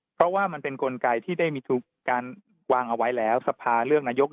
เพราะว่ามันเป็นกลไกที่ได้มีการวางเอาไว้แล้วสภาเลือกนายก